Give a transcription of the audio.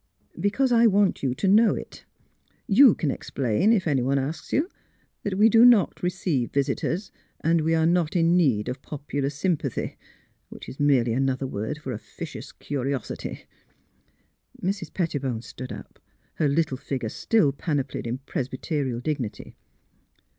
" Because I want you to know it. You can ex plain, if anyone asks you, that we do not receive visitors, and that we are not in need of popular sympathy — which is merely another word for officious curiosity." Mrs. Pettibone stood up, her little figure still panoplied in Presbyterial dignity.